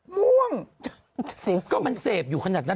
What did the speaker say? ม่วงก็มันเสพอยู่ขนาดนั้น